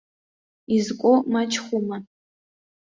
Изкәо мачхәума?